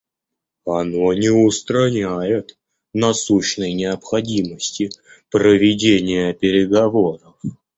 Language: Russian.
Оно не устраняет насущной необходимости проведения переговоров.